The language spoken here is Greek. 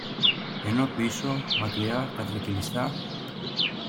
ενώ πίσω, μακριά, κατρακυλιστά